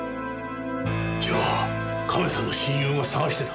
じゃあカメさんの親友が捜してた。